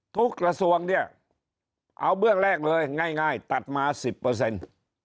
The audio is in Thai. กระทรวงเนี่ยเอาเบื้องแรกเลยง่ายตัดมาสิบเปอร์เซ็นต์